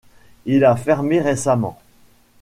Il a fermé récemment.